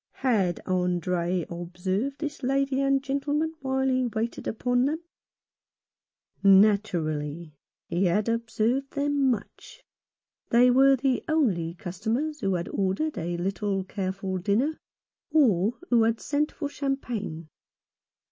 Had Andre observed this lady and gentleman while he waited upon them ? Naturally! He had observed them much. They were the only customers who had ordered a little careful dinner, or who had sent for cham pagne.